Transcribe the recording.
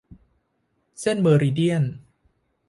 เส้นเมอริเดียน